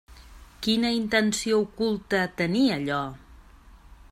Quina intenció oculta tenia allò?